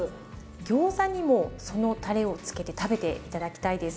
ギョーザにもそのたれを付けて食べて頂きたいです。